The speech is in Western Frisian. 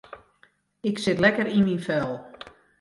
Ik sit lekker yn myn fel.